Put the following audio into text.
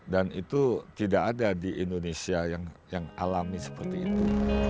dan itu tidak ada di indonesia yang alami seperti itu